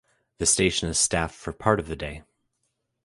The station is staffed for part of the day.